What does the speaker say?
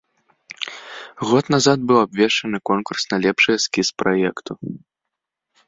Год назад быў абвешчаны конкурс на лепшы эскіз праекту.